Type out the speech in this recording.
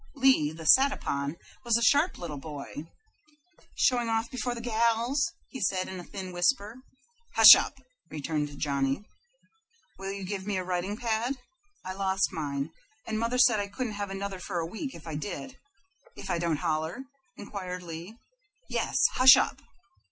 Lee, the sat upon, was a sharp little boy. "Showing off before the gals!" he said, in a thin whisper. "Hush up!" returned Johnny. "Will you give me a writing pad I lost mine, and mother said I couldn't have another for a week if I did if I don't holler?" inquired Lee. "Yes. Hush up!"